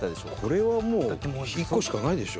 これはもう１個しかないでしょ。